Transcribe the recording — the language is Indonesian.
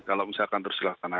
kalau misalkan terus dilaksanakan